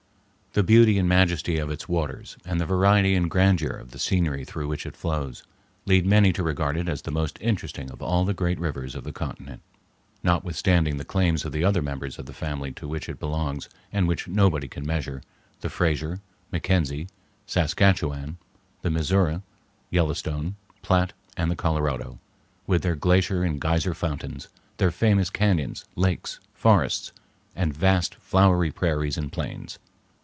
The beauty and majesty of its waters, and the variety and grandeur of the scenery through which it flows, lead many to regard it as the most interesting of all the great rivers of the continent, notwithstanding the claims of the other members of the family to which it belongs and which nobody can measure—the Fraser, McKenzie, Saskatchewan, the Missouri, Yellowstone, Platte, and the Colorado, with their glacier and geyser fountains, their famous cañons, lakes, forests, and vast flowery prairies and plains.